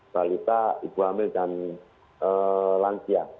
balita ibu hamil dan lansia